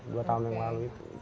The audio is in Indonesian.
dua tahun yang lalu itu